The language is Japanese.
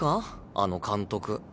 あの監督。